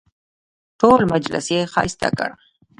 ټول مجلس یې ښایسته کړ.